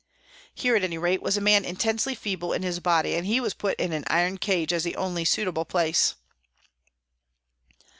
Here, at any rate, was a man intensely feeble in his body, and he was put in an iron cage as the only suitable place